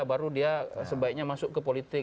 baru dia sebaiknya masuk ke politik